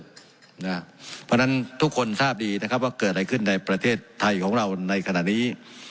เพราะฉะนั้นทุกคนทราบดีนะครับว่าเกิดอะไรขึ้นในประเทศไทยของเราในขณะนี้